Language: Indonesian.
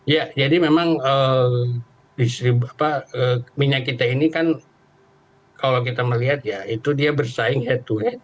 ya jadi memang minyak kita ini kan kalau kita melihat ya itu dia bersaing head to head